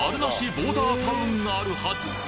ボーダータウンがあるはず